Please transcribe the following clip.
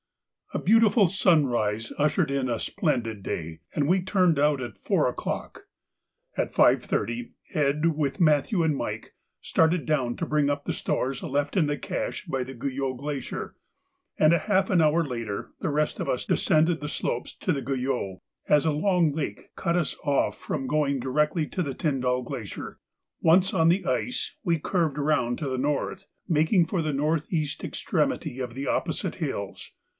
_—A beautiful sunrise ushered in a splendid day, and we turned out at four o'clock. At 5.30 Ed., with Matthew and Mike, started down to bring up the stores left in the cache by the Guyot Glacier, and half an hour later the rest of us descended the slopes to the Guyot, as a long lake cut us off from going directly on to the Tyndall Glacier. Once on the ice, we curved round to the north, making for the north east extremity of the opposite hills.